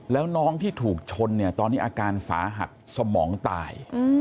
แล้วน้องที่ถูกชนเนี่ยตอนนี้อาการสาหัสสมองตาย